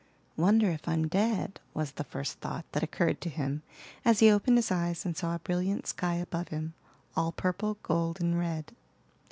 "Wonder if I'm dead?" was the first idea that occurred to him as he opened his eyes and saw a brilliant sky above him, all purple, gold, and red.